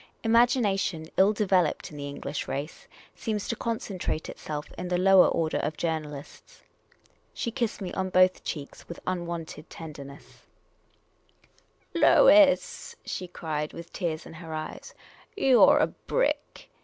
Imagination, ill developed in the English race, seems to concentrate itself in the lower order of journalists. She kissed me on both cheeks with unwonted tenderness. 318 The Unprofessional Detective 319 " Lois," she cried, with tears in her eyes, " you 're a brick